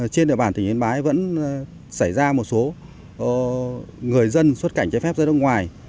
trên địa bàn tỉnh yên bái vẫn xảy ra một số người dân xuất cảnh trái phép ra nước ngoài